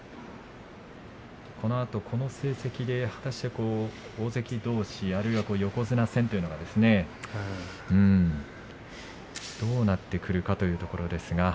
このあと、この成績で大関どうしあるいは横綱戦というのがどうなってくるかというところです。